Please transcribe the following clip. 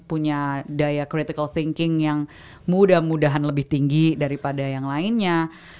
punya daya critical thinking yang mudah mudahan lebih tinggi daripada yang lainnya